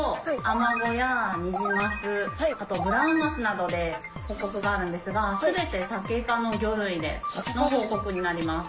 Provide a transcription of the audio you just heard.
あとブラウンマスなどで報告があるんですが全てサケ科の魚類での報告になります。